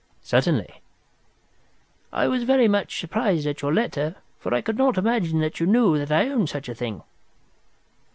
"Certainly." "I was very much surprised at your letter, for I could not imagine how you knew that I owned such a thing."